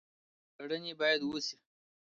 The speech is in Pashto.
څېړنې باید وشي.